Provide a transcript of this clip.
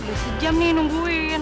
belum sejam nih nungguin